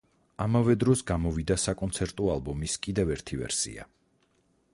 ამავე დროს გამოვიდა საკონცერტო ალბომის კიდევ ერთი ვერსია.